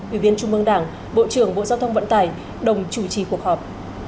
ủy viên trung mương đảng bộ trưởng bộ giao thông vận tải đồng chủ trì cuộc họp